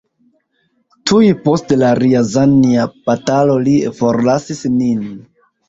Tuj post la Rjazanja batalo li forlasis nin.